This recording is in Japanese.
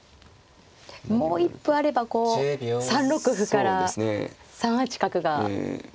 もう一歩あればこう３六歩から３八角が決まるんですが。